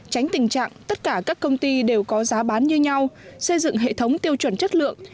tránh tình trạng tất cả các công ty đều có giá bán như nhau xây dựng hệ thống tiêu chuẩn chất lượng